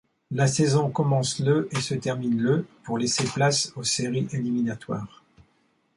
La saison commence le et se termine le pour laisser place aux séries éliminatoires.